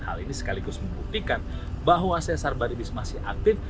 hal ini sekaligus membuktikan bahwa sesar baribis masih aktif